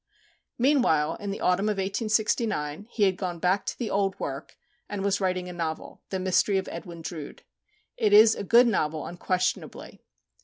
Meanwhile, in the autumn of 1869, he had gone back to the old work, and was writing a novel, "The Mystery of Edwin Drood." It is a good novel unquestionably.